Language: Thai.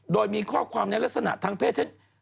โดยมีข้อความในลักษณะทางเพศเช่น